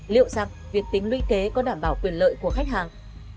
liệu rằng việc tính luy kế có đảm bảo quyền lợi của khách hàng